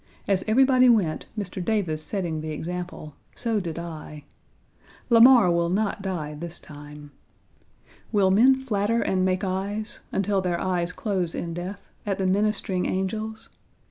As everybody went, Mr. Davis setting the example, so did I. Lamar will not die this time. Will men flatter and make eyes, until their eyes close in death, at the ministering angels?